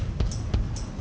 hanya legenda aja